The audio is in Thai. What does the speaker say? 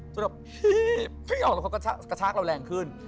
จนแบบพี่พี่ออกแล้วก็กระชากเราแรงขึ้น